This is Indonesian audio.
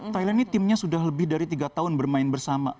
thailand ini timnya sudah lebih dari tiga tahun bermain bersama